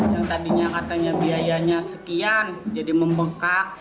yang tadinya katanya biayanya sekian jadi membengkak